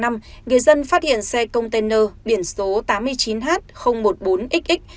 người dân phát hiện xe container biển số tám mươi chín h một mươi bốn xx